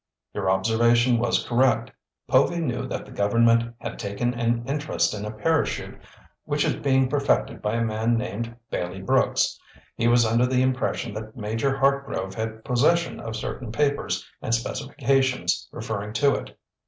"Your observation was correct. Povy knew that the government had taken an interest in a parachute which is being perfected by a man named Bailey Brooks. He was under the impression that Major Hartgrove had possession of certain papers and specifications referring to it."